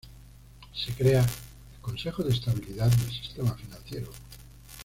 Se crea el Consejo de Estabilidad del Sistema Financiero.